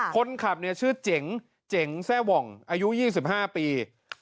คนขับนี่ชื่อเจ๋งแซ่ว่องอายุ๒๕ปี